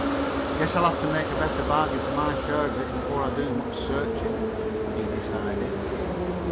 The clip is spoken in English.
"Guess I'll have to make a better bargain for my share of it before I do much searching," he decided.